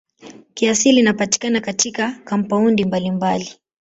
Kiasili inapatikana katika kampaundi mbalimbali.